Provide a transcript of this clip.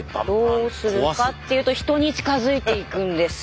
どうするかっていうと人に近づいていくんですよ。